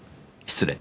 失礼。